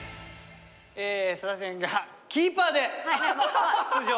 笹木さんがキーパーで出場。